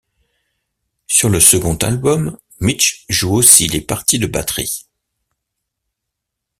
Sur le second album, Mitch joue aussi les parties de batterie.